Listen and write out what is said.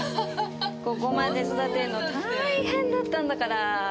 ここまで育てるのたいへんだったんだから。